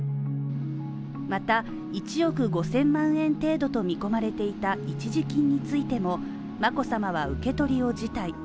また、１億５０００万円程度と見込まれていた一時金についても、眞子さまは受け取りを辞退。